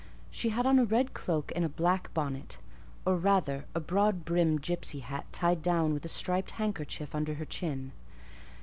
She had on a red cloak and a black bonnet: or rather, a broad brimmed gipsy hat, tied down with a striped handkerchief under her chin.